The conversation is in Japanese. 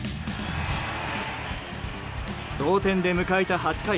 同点で迎えた８回。